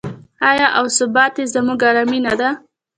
آیا او ثبات یې زموږ ارامي نه ده؟